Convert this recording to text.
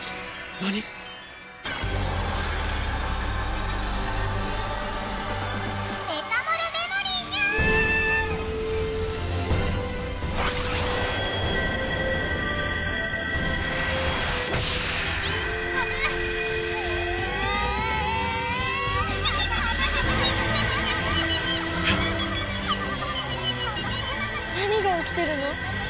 何が起きてるの？